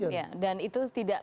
iya dan itu tidak perhatiannya